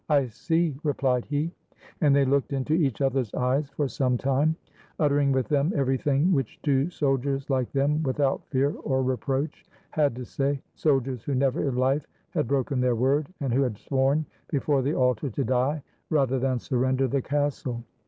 "I see," replied he. And they looked into each other's eyes for some time, uttering with them everything which two soldiers like them, without fear or reproach, had to say, — soldiers who never in life had broken their word, and who had sworn before the altar to die rather than surrender the castle.